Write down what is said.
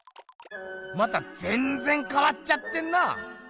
またぜんぜんかわっちゃってんなぁ！